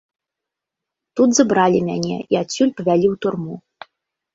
Тут забралі мяне і адсюль павялі ў турму.